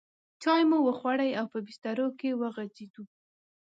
چای مو وخوړې او په بسترو کې وغځېدو.